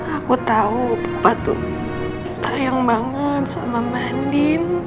aku tau bapak tuh sayang banget sama mandi